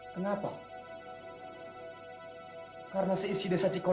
sengaja beliau datang kemari untuk bertemu dengan kamu gos